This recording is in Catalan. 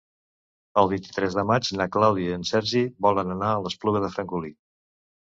El vint-i-tres de maig na Clàudia i en Sergi volen anar a l'Espluga de Francolí.